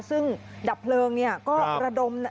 ซึ่งดับเพลิงเนี่ยก็ระดม